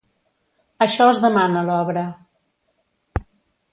Això es demana l’obra.